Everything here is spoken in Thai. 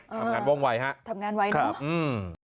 ทำงานว่องวัยฮะทำงานไวนะครับอืม